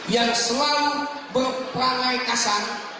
yang selalu berperangai kasar